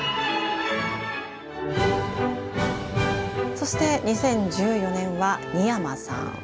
そして２０１４年は二山さん。